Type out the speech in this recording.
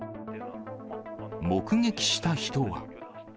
目撃した人は。